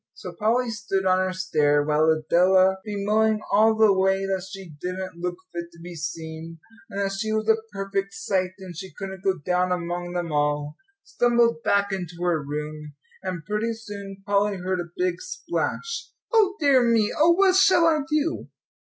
So Polly stood on her stair while Adela, bemoaning all the way that she didn't look fit to be seen, and that she was a perfect sight, and she couldn't go down among them all, stumbled back into her room. And pretty soon Polly heard a big splash. "O dear me oh, what shall I do?"